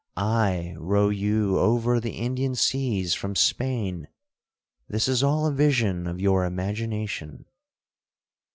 I row you over the Indian seas from Spain!—this is all a vision of your imagination.'